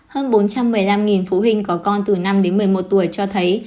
hơn bốn trăm một mươi năm phụ huynh có con từ năm đến một mươi một tuổi cho thấy